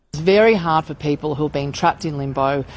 sangat sukar bagi orang yang terjebak dalam limbo